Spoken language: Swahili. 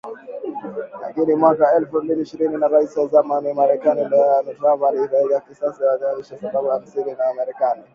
Lakini mwaka elfu mbili na ishirini Rais wa zamani wa Marekani Donald Trump aliamuru kiasi cha wanajeshi mia saba hamsini wa Marekani